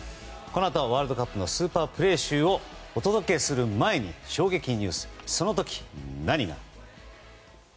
このあとはワールドカップのスーパープレー集をお届けする前に衝撃ニュースその時何が。